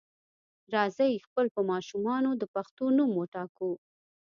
راځئ خپل په ماشومانو د پښتو نوم وټاکو.